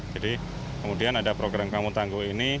jadi kemudian ada program kampung tangguh ini